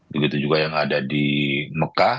begitu juga yang ada di mekah